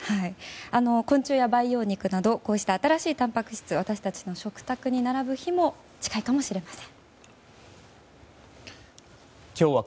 昆虫や培養肉などこうした新しいたんぱく質私たちの食卓に並ぶ日も近いかもしれません。